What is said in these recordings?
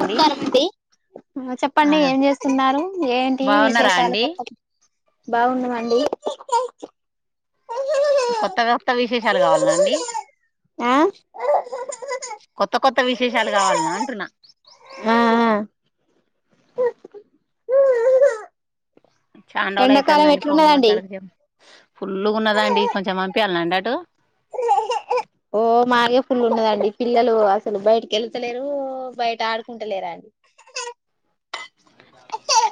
అండి ఆ చెప్పండి ఏం చేస్తున్నారు ఏంటి బాగున్నారా విశేషాలు అండి కొత్త కొత్త బాగున్న మండి కొత్తగ కొత్త విశేషాలు కావాల అండి ఆ కొత్త కొత్త విశేషాలు కావాల అంటున్నా అహ అహ త్ తో ఉ చానరోజులు అవుతుందండి ఫోన్ మాట్లాడక చెప్పు ఫుల్ గా ఉన్నది అండి కొంచెం పంపియ్యాలండి అటు ఓ మాగే ఫుల్ ఉన్నదండి పిల్లలు అసలు బయటకి వెళతలేరు బయట ఆడుకుంటలేరు అయే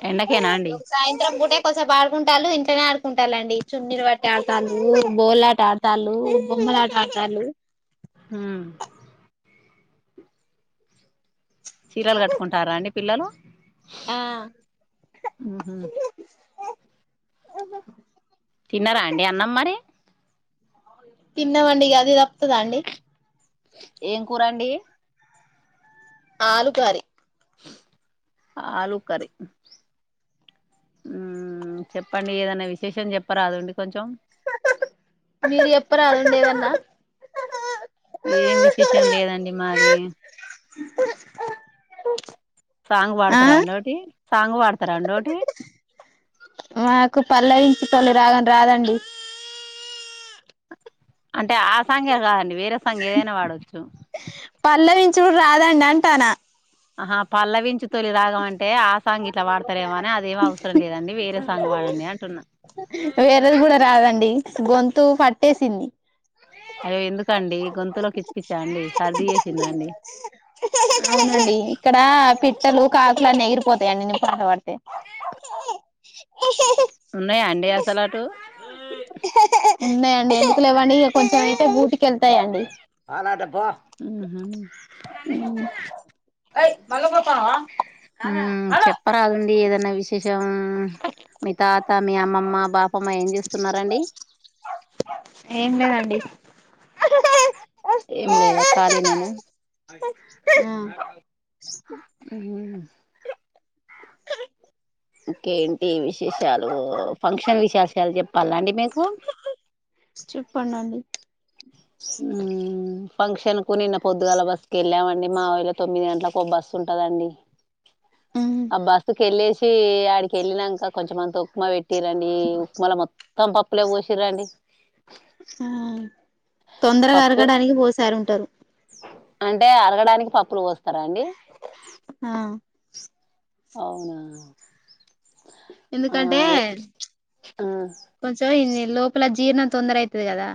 ఎండకేనా అండి ఒక సాయంత్రం పూటే కోసెపు ఆడుకుంట చుట్టాలు ఇంట్లోనే ఆడుకుంటారండి చున్నీళ్లు బట్టి ఆడతాలు బోలు ఆడుతాలు బొమ్మలాట ఆడతాలు హు చీరలు కట్టుకుంటారా అండి పిల్లలు ఆ ఉహు ఓహో తిన్నారా అండి అన్నం మరి తిన్నామండి అది తప్పుతాదా అండి ఏం కూరండి. ఆలు కర్రీ ఆలు కర్రీ చెప్పండి. ఉ ఏదైనా విశేషం చెప్పరాదండి. కొంచెం మీరు చెప్పరాదండి ఏదైన్నా. ఏం విశేషం లేదండి. మాది సాంగ్ ఆ వాడతారా అండి. ఒకటి సాంగ్ పాడుతారా అండి. ఒకటి నాకు పల్లవించు తొలిరాగం రాదండి. అం ఆ సాంగే కాదండి వేరే సాంగ్ ఏదైనా పాడ వచ్చు చూడు రాదండి అంటానా. ఆహా పల్లవించు తొలి రాగం అంటే ఆ సాంగ్ ఇట్లా పాడతారేమో అని అదేం అవసరం లేదండి వేరే సాంగ్ పాడండి అంటున్నా. వేరేది కూడా రాదండి గొంతు పట్టేసింది. అయ్యో ఎందుకండి. గొంతులో కిచ్ కిచ్చాండి. సర్ది చేసిందాండి. అవునండి ఇక్కడ పిట్టలు, కాకులు అన్నీ ఎగిరిపోతాయండి. నేను పాట పడితే ఉన్నాయా అండి. అసలు అటు ఉన్నాయండి. ఎందుకులేవండి. ఇగ కొంచెం అయితే గూటికి - ఉహు మ్ జం మ్ మీ తాత మీ అమ్మమ్మ బాపమ్మ ఏం చేస్తున్నారండి ఏం లేదండి ఆ ఏం లేదా ఖాళీ నేను ఉహు. ఇంకేమి ఈ విశేషాలు. ఫంక్షన్ విశేషాలు చెప్పాల అండి మీకు చెప్పండండి మ్ ఫంక్షన్ కు నిన్న పొద్దుగాల బస్సుకి వెళ్ళామండి. మా ఊళ్ళ తొమ్మిది గంటలకు ఓ బస్సు ఉంటదండి. మ్మ్ ఆ బస్సు వెళ్లేసి ఆడికి వెళ్ళినాక కొంచెమంత ఉక్మా పెట్టి పెట్టిరండి ఉక్మాల మొత్తం మొత్తం పప్పులే పోసిరండి మ్ తొందరగా పప్పు అరగడానికి పోసారు ఉంటారు అంటే అరగడానికి పప్పులు పోస్ పోస్తారా అండి ఆ అవున ఎందుకంటే కొంచం ఇ లోపల జీర్ణం తొందర అయితది కదా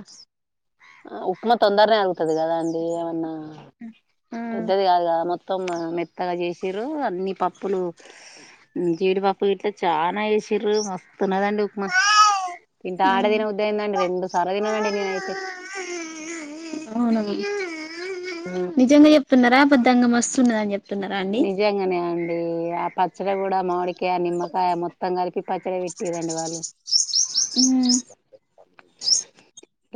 ఆ ఉప్మా తొందరనే ఆగతుది కదా అండి అవన్నా మ్మ్ పెద్దది కాగా మొత్త మొత్తం మెత్తగా చేసిర్రు అన్నిీ పప్పులు జీడిపప్పు గట్లో చాలా ఎసిర్రు మస్ స్తుుదండి ఉప్మా ఇంత ఆడ మ్మ్ తిన ఉద్దయందండి రెండు సార్లు తిన్న అండి నేనైతే అవునవును నిజంగా చెప్తున్నారా ద్ద దంగ మస్తు ఉన్న నిజంగానే అ ఆ ప పచ్చ కూడా మామిడికాయ నిమ్మకాయ మొత్తం కలిపి పచ్చడి పెట్టరండి వాళ్ళు మ్మ్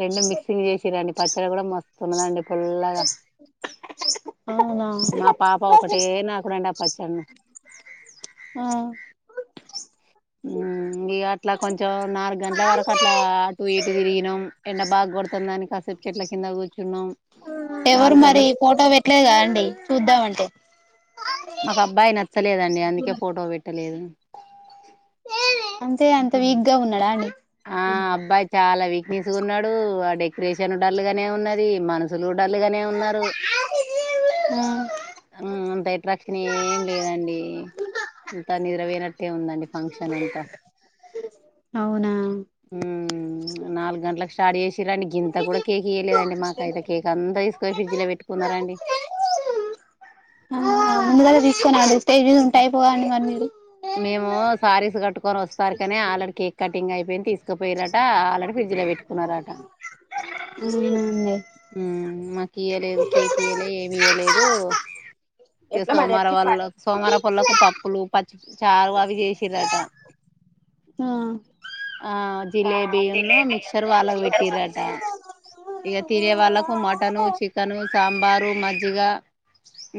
రెండు మిక్సింగ్ చేసి రని పచ్చ ఇచ్చ కూడా మస్తున్నదండి పుల్లగా అవునా మా పాప ఒకటే నాకుడు అండి అ పచ్చి చెే ఆ ఇక అట్లా కొంచెం నాలుగు గంటల వరకు అట్లా అటు ఇటు తిరిగినాం ఎండ బాగ కొడుతుంది దానికిస్త ఎవరు నాలుగు మరి గంటలకు ఫోటో పెట్టలేదా అండి చూద్దామంటే మాకు అబ్బాయి నచ్చలేదండి అందుకే ఫోటో పెట్టలేదు అంతే అంత వీక్ గా ఉన్నాడా అండి ఆ అబ్బాయి చాలావి తీసుకున్నాడు ఆ డెకరేషన్ డల్ గానే ఉన్నది మనసుులు డల్లుగానే ఉన్నారు అంత ఎట్రాక్షన్ ఏం లేదండి అంత నిద్రపోనట్టే ఉందండి ఫంక్షన్ అంతా అవునా హ నాలుగు గంటలక్ష సడేస్ డి ఇంత కూడా కేక్ ఇయలేదండి మాకయితే కేక్ అంతా తీసుక ఫ్రిడ్జ్ లో పెట్టుకున్నారండి తేజీస్ ఉంటాయి పోవ అడి మరు మేము సారీస్ కట్టుకొని వస్తారు కానీ ఆల్రెడీ కేక్ కటింగ్ అయిపోయింది తీసుకో పొయిర్రట ఆల్రెడీ ఫ్రిడ్జ్ లో పెట్టుకున్నారట అవునండి హ్మ్ మాకు ఈయలేదు కేక్ ఇయలే ఏమి ఈయలేదు ఇగ ఎట్లా మరి సోమవార ఎట్ల వాళ్ళ ఇప్పాలి సోమవార పొల్ళకు పప్పులు పచ్చి చారు అవి జేసిర్రట ఆ ఆ జిలేబీ నును జిలేబీ మిక్చర్ వాళ్ళకు పెట్టిర్రట ఇగ తినే వాళ్ళకు మటను చికెను సాంబారు మజ్జిగ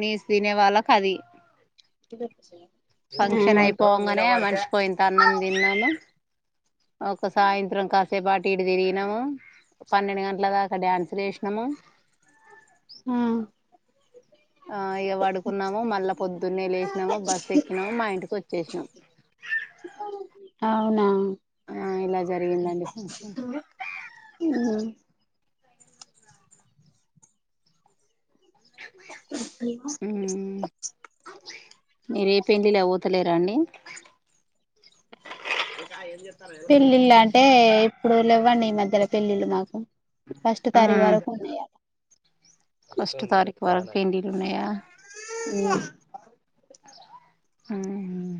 నీస్ తినే వాళ్ళకు అది ఫంక్షన్ అయిపోవంగానే మనిషికో యింత అన్నం దిన్నాను ఒక సాయంత్రం కాసేపా ట్టి డి తిరిగినాము పన్నెండు గంట్ల దాకా ఆ డ్యాన్సు లేషీనము హ్మ్ ఆ ఇగ వడుకున్నాము మళ్ళా పొద్దున్నే లేేసినాము బస్సు ఎక్కినము మా ఇంటికి వచ్చేసినాం అవునా ఫంక్షన్ హ్మ్ హ్మ్ మీరే పెండ్లిళ్ళలకి పోతలేర అండి. ఏకా ఏంజే పెళ్లిళ్ళ అంటే ఇప్పుడులు లెవ్వండి ఈ మధ్య పెళ్ళిలు మాకు ఫస్ట్ ఆ తారీఖు వరకు ఉన్నాయట ఫస్ట్ తారీఖు వరకు పెళ్ళిలు ఉన్నాయా హుమ్ హమ్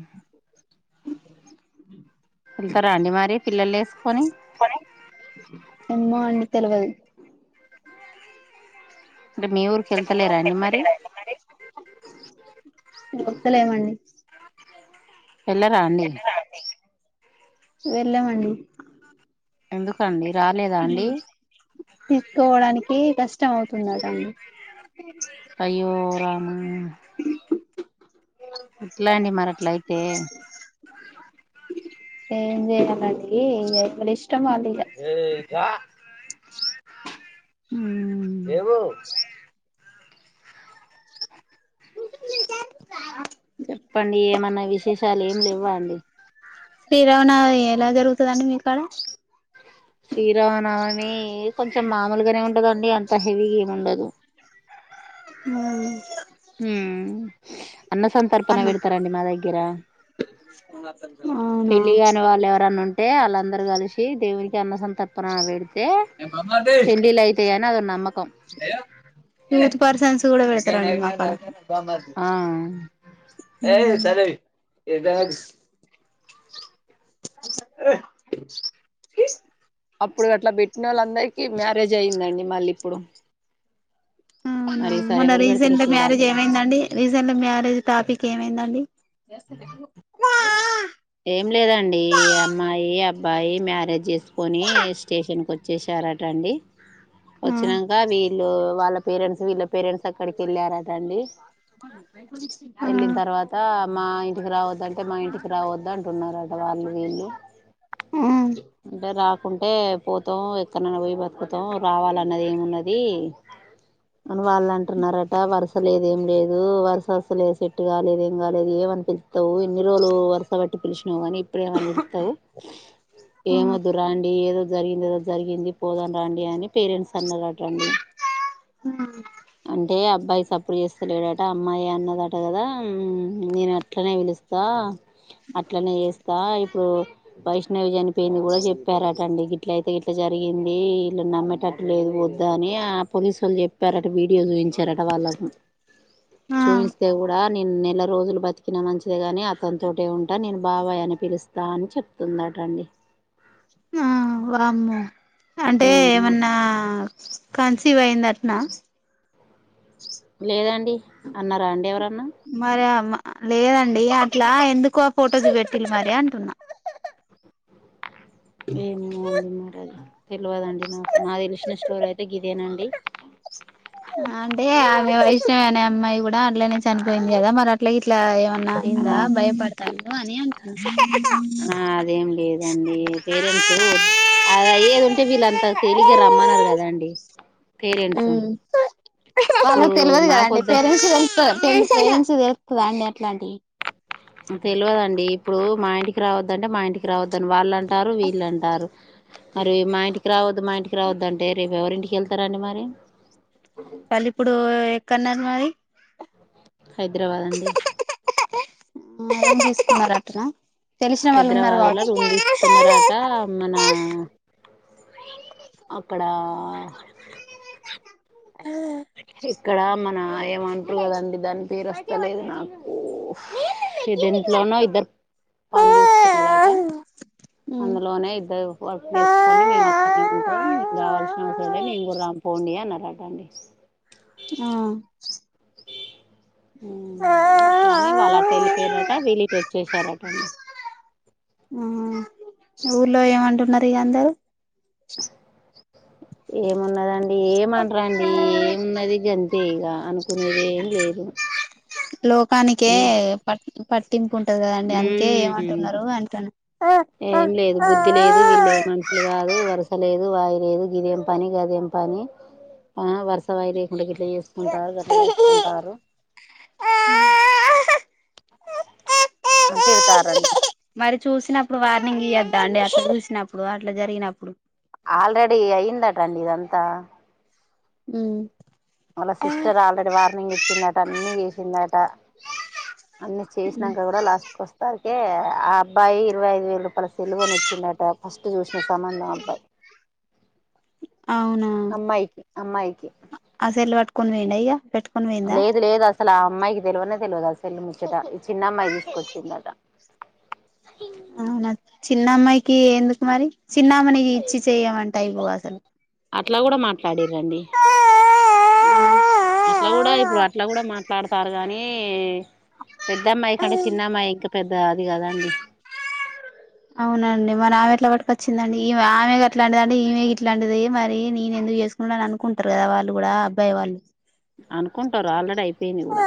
వెళ్తారా అండి మారి పిల్లలే పోనీ ఏమో అండి తెలువది అంటే మీ ఊరికి వెళ్తలేరా అండి మరి పోతలేమండి వెళ్ళరా అండి వెళ్లమండి ఎందుకండి రాలేదా అండి తీస్కపోడానికి కీ కష్టమవుతుందట అండి ఓ రామా ఎట్ల అండి మరి అట్లయితే ఏం జేయాలండి ఇంగ ఇంగలిష్ ఏ ఇ చ ఉమ్ చెప్పండి ఏమన్నా విశేషాలు ఏం లేవా అండి శ్రీ రామనవమి ఎలా జరుగుతుదండి మీకాడ శ్రీరామనవమి కొంచెం మామూలుగానే ఉండదండి అంత హెవీ గేముండదు ము ఉమ్ అన్న సంతర్పణ అన్న పెడతారండి మా దగ్గర అవునా పెళ్లి కాని వాళ్ళు ఎవరన్ను టే ఆళ్ళందరు కలిషి దేవునికి అన్న సంత తర్పన వెడితే పెండ్లిల్లయితయని అదో నమ్మకం [unintelligible] ఉమ్ ఆ ఏదా అప్పుడు అట్ల బెట్ట్నోళ్ళందరికిీ మ్యారేజ్ అయ్యిందండి మళ్ళిప్పుడు అవునా మొన్న పెడతారో రీసెంట్ మ్యారేజ్ చూడాలండి ఏమైందండి రీసెంట్ మ్యారేజ్ టాపిక్ ఏమైందండి కు ఏం లేదండి అమ్మాయి అబ్బాయి మ్యారేజ్ జేసుకొని స్టేషన్కి వచ్చేశారట అండి ఆ వచ్చినంక మీ ట్లో వాళ్ళ పేరెంట్స్ వీళ్ళ పేరెంట్స్ అక్కడికెళ్ళారట అండి ఆ ఎల్లిన్ తర్వాత మాయ్ టికి రావద్దంటే మా ఇంటికి రావద్దు అంటున్నారట వాళ్ళు వీళ్ళు ఆ అంటే రా కుంటే పోతాం ఎక్కడ్నైన పోయి బతుకుతం రావాలన్నది ఏమున్నది అని వాళ్ళంటున్నారట వరుస లేదు దేమ్ లేదు వరుస అసలే సెట్ కాలేదు ఏం కాలేదు ఏమని పిలుత్త కాబట్టి పిలిచినవు కాని ఇప్పుడేమన్నా. అది ఏమోద్దు రాండి ఏదో జరిగిందేదో జరిగింది పోదాం రండి అని పేరెంట్స్ అన్నరటండి. ఉ అంటే అబ్బాయి సప్పుడు చేస్తాలేడట అమ్మాయి అన్నదట కదా నేను అట్లనే పిలుస్తా అట్లనే చేస్తా ఇప్పుడు వైష్ణవి చనిపోయింది కూడా చెప్పారటండి ఇట్లయితే ఇట్ల జరిగింది ఇల్లు నమ్మేటట్టు లేదు వద్ద అని ఆ పోలీసొళ్ళు చెప్పారట వీడియో చూపించారట వాళ్ళకు ఆ చూయిస్తే కూడా నేను నెల రోజులు బతికినా మంచిదేగాని అతనితోటే ఉంటా ంట నేను బాబాయ్ అని పిలుస్తా అని చెప్తుందటండి. ఆ వామ్మో అంటే ఉమ్ ఏమన్నా కన్సీవ్ అయిందట్నా లేదండి. అన్నారా అండి ఎవరన్నా మరే లేదండి అట్లా ఎందుకో ఫొటోస్ పెట్టిళ్ళు మరి అంటున్నా ఏమో అండి మరేలా తెలవదండి నాకు నాక్ తెలిసిన స్టోరి అయితే గిదేనండి. అంటే ఆమె వైష్ణవి అనే అమ్మాయి కూ డా అట్లనే చనిపోయింది కదా మరి అట్లా ఇ ఇట్ల ఎవన్న ఆ అయ్యిందా భయపడతండ్రు అని అంటాను. ఆ అదేం లేదండి పేరెంట్స్ వద్ అది అయ్యేది ఉంటే వీళ్ళంత తేలిగ్గా రమ్మనరు కదండి ఊ పేరెంట్స్ వాళ్ళకూ ఇప్పుడు తెలవదు కదండి మాకొద్ద పపేరెంట్స్కి తేలుస్తది. పేరెంట్స్ న్ట్స్ తెలుస్తద అండి అట్లాంటివి తెలవదండి ఇప్పుడు మా ఇంటికి రావద్దంటే మా ఇంటికి రావద్దని వాళ్ళన్ అంటారు వీళ్ళ అంటారు మరి మా ఇంటికి రావద్దు మా ఇంటికి రావద్ధు అంటే రెప్ ఎవరింటికి వెళ్తారండి మరి వాళ్ఇప్పుడు కన్యకుమారి హైదరాబాద్ అండి. రూమ్ తీసుకున్నారటన హైదరాబాద్ లో రూమ్ తీసుకున్నారట మన అక్కడ ఇక్కడ మన ఏమంట్రు కదండి దాని పేరు వస్తలేదు నాకు ఇది ఇంట్లోనో ఇద్దరు పని చూసుకున్నారట ఊ అందులోనే ఇద్దరు వర్క్ చేసుకొని మేము అక్కనే ఉంటాం మేము రావాల్సిన అవసరం లేదు మేము కూడా రాం పోండి అన్నారట అండి. ఆ ఊ కానీ వాళ్ళట్ట వెళ్ళిపోయారట వీల్లీటు వచ్చేసారట అండి. ఊర్లో ఏమంటున్నారు ఇక అందరు ఏమున్నదండి ఏమనరండి. ఏమున్నది గంతే ఇగ అనుకునేది ఏం లేదు. లోకానికే ప టింపు ఉంటది కదండి అందుకే ఏమంటున్నారు అంటున్నా ఏం లేదు బుద్ధి వయిలేదు గిదయంం పనీ గదయంం పనీ ఆ వర్ష వయిరే గుండ గిడ్డ చేసుకుంటారు గడ్డ చేసుకుంటారు అని తిడతారండి మరి చూసినప్పుడు వార్నింగ్ ఇద్దు అండి అట్ చూలిసినప్పుడు అట్లా జరిగినప్పుడు ఆల్రెడి అయ్యందాటండి ఇదంతా ఉమ్ వాళ్ళ సిస్టర్ ఆల్రెడీ వార్నింగ్ ఇచ్చిందట అన్ని చేసిందట టా అన్ని చేసినాక కూడా లాస్ట్ క వస్తారు తే ఆ అబ్బాయి ఇరవై ఐదు వేల రూపాయల సెల్లువుని ఇచ్చిండట ఫస్ట్ చూసిన సంబంధం అబ్బాయి అవునా అమ్మాయికి అమ్మాయికి అసెలు పట్టుకో పోనియాండి అయా పెటు లేదు లేదు అసలు అ అమ్మాయికి తెలువనే తెలువదు అసలు ముచ్చట ఈ చిన్న అమ్మాయి తీసుకొచ్చిందట అవునా చిన్నమ్మాయికి ఎందుకు మరి చిన్న ఆమె ని ఇచ్చి చెయమంటె అయిపోవు అసలు అట్లా కూడా మాట్లాడిరు అండి అట్లా కూడా ఇప్పుడు అట్లా కూడా మాట్లాడతారు కానీ పెద్దమ్మాయి కంటే చిన్నమ్మాయి ఇం పెద్ద అది కదండి అవునండి మరి ఆమె ఎట్ల పట్టుక వచ్చిందండి ఈమె ఆమె గట్లాంటిదంటె ఈమె ఇట్లాంటిది మరి నేను ఎందుకు చేసుకుంటా అని అనుకుంటారు కదా వాళ్ళు కూడా అబ్బాయి వాళ్ళు అనుకుంటారు ఆల్రెడీ అయి పోయింది కూడా